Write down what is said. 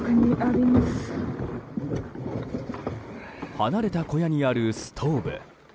離れた小屋にあるストーブ。